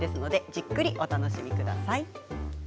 じっくりお楽しみください。